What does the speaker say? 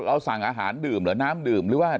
สั่งอาหารดื่มหรือน้ำดื่มหรือว่า